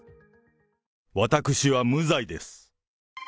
私は無罪です。